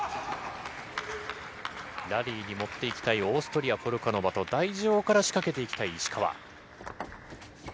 ラリーに持っていきたいオーストリア、ポルカノバと、台上から仕掛けていきたい石川。